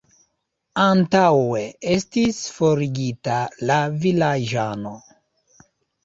Antaŭe estis forigita la vilaĝano.